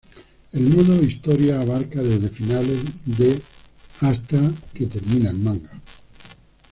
El modo historia abarca desde finales de la hasta que termina el manga.